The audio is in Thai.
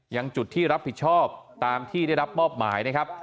ยังจุดที่รับผิดชอบตามที่ได้รับมอบหมายนะครับ